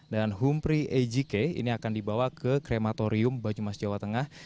dan humphrey ejike ini akan dibawa ke krematorium bajumas jawa tengah